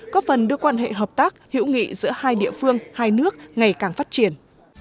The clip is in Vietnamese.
có phần đưa quan hệ hợp tác hữu nghị giữa hai địa phương hai nước ngày càng phát triển